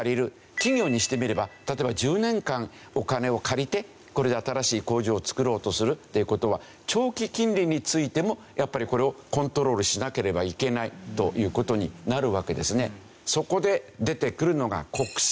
企業にしてみれば例えば１０年間お金を借りてこれで新しい工場を造ろうとするっていう事は長期金利についてもやっぱりこれをコントロールしなければいけないという事になるわけですね。